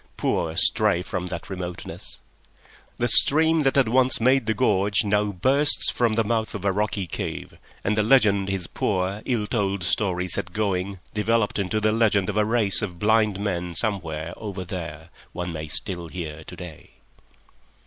Poor stray from that remoteness! The stream that had once made the gorge now bursts from the mouth of a rocky cave, and the legend his poor, ill told story set going developed into the legend of a race of blind men somewhere "over there" one may still hear to day.